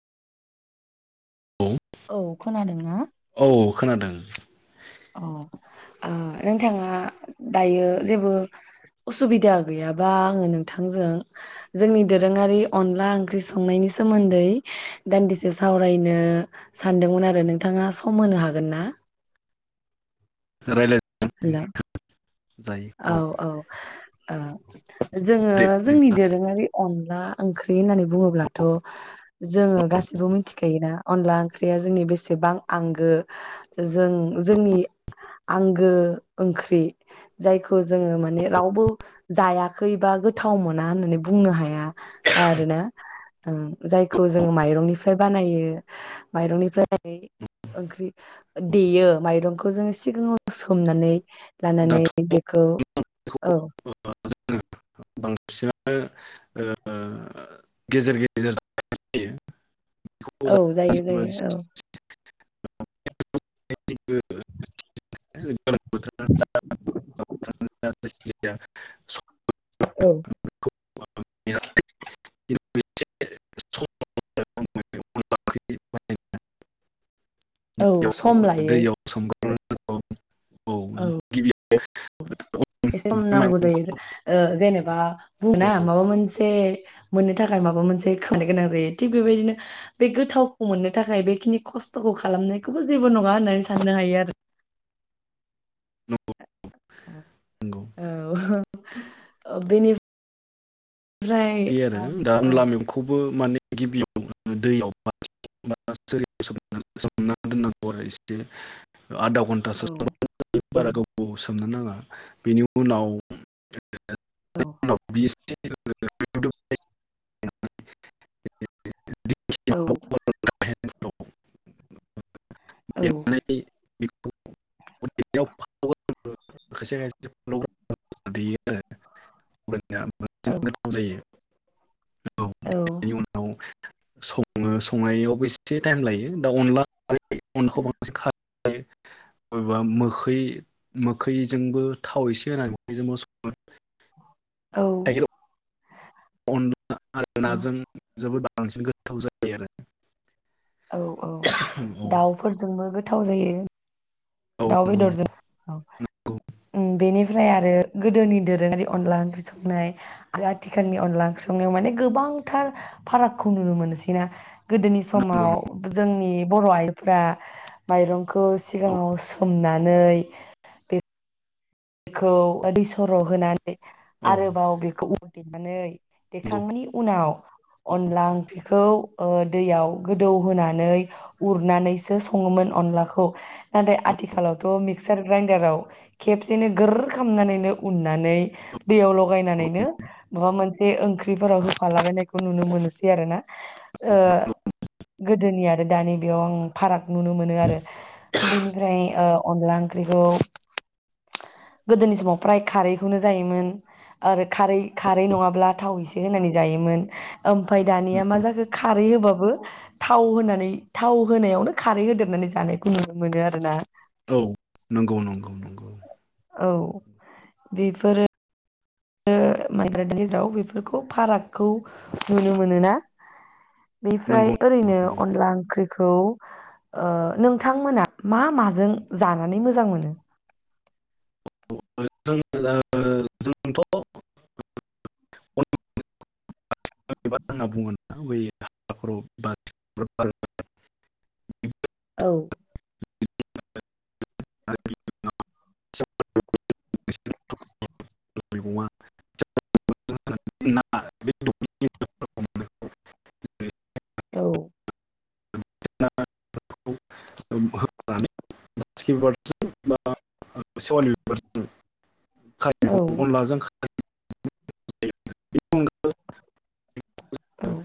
औ औ खोनादों ना औ खोनादों अ ओ नोंथाङा दायो जेबो उसुबिदा गैयाबा आंङो नोंथांजों जोंनि दोरोंङारि अनला ओंख्रि संनायनि सोमोन्दै दान्दिसे सावरायनो सानदोंमोन आरो नोंथाङा सम होनो हागोन ना रायलाय हेलौ औ औ ओ जोंङो दे जोंनि दोरोङारि अन ला ओंख्रि होननानै बुङोब्लाथ' जोंङो गासिबो मिथिखायोना अनला ओंख्रिया जोंनि बेसेबां आंगो जों जोंनि आंगो ओंख्रि जायखौ जोंङो माने रावबो जायाखै बा गोथाव मोना होननानै बुंनो हाया आरोना। ओ जायखौ जोंङो माइरंनिफ्राय बानायो माइरंनिफ्राय ओंख्रि देयो माइरंखौ जोंङो सिगाङाव सोमनानै लानानै दाथ' बेखौ जोङो औ बांसिनानो ओ गेजेर-गेजेर जानाय जायो। बेखौ औ जायो जायो औ [unintelligible] [inaudible] [unintelligible] [inaudible] [inaudible] औ जेबो [inaudible] औ सम लायो। दैयाव [inaudible] औ गिबियाव एसे हम बे नांगौ माइरंखौ जायो ओ जेनेबा औ बुङोना माबा मोनसे मोननो थाखाय माबा मोनसे खोमानो गोनां जायो थिग बेबायदिनो बे गोथावखौ मोननो थाखाय बेखिनि खस्थ'खौ खालामनायखौबो जेबो नङा होननानै साननो हायो आरो। नंगौ नंगौ औ [unintelligible] बिदि आरो औ दा औ अनला मेगंखौबो माने गिबियाव दैयाव सोमना दोननांगौ आरो एसे आधा औ घन्टासो बारा गोावबाव सोमनो नाङा बेनि उनाव औ [unintelligible] [unintelligible] औ [unintelligible] [unintelligible] [unintelligible] या औ बांसिन गोथाव जायो। औ बेनि उनाव संङो संनायआवबो इसे टाइम लायो दा अनला अनखौ बांसिन खार बबेबा मोखै मोखैजोंबो थाव एसे होनानै मोखैजोंबो संङो औ अनला आरो औ नाजों जोबोद बांसिन गोथाव जायो आरो औ औ औ दाउफोरजोंबो गोथाव जायो। औ दाउ नंगौ बेदरजों ओ नंगौ बेनिफ्राय आरो गोदोनि दोरोङारि अनला ओंख्रि संनाय आरो आथिखालनि अनला ओंख्रि संनायाव माने गोबांथार फारागखौ नुनो मोनसैना गोदोनि नंगौ नंगौ समाव जोंनि बर' आइजोफ्रा माइरं। खौ औ सिगाङाव सो उननानै बे बेखौ दै सर' होना औ आरोबाव बेखौ देनानै। नंगौ देखांनि उनाव अनला ओंख्रिखौ ओ दैयाव गोदौ होनानै उरनानैसो सङोमोन अनलाखौ नाथाय आथिखालावथ' मिक्सार ग्राइडाराव खेब सेनो गोर खालामनानैनो उननानै दैयाव लगायनानैनो माबा मोनसे ओंख्रिफोराव होफालाबायनाय नुनो मोनोसै आरोना ओ गोदोनि आरो दानि बेयाव आं। फाराग नुनो मोनो आरो बेनिफ्राय ओ अनला ओंख्रिखौ। गोदोनि समाव फ्राय खारैखौनो जायोमोन आरो खारै खारै नङाब्ला थाव एसे होनानै जायोमोन ओमफ्राय दानिया मा जाखो खारै होबाबो थाव होनानै थाव। होनायावनो खारै होदेरनानै जानायखौ नुनो मोनो आरोना। औ नंगौ नंगौ नंगौ औ बेफोरो। ओ माइग्रानि गेजेराव बेफोरखौ फारागखौ नुनो मोनोना। बेफ्राय नंगौ। ओरैनो अनला ओंख्रि। खौ ओ नोंथांमोना मा माजों जानानै मोजां मोनो। [unintelligible] औ। [unintelligible] [unintelligible] [unintelligible] औ। [unintelligible] [unintelligible] औ खारिखौ अनलाजों। [unintelligible] औ।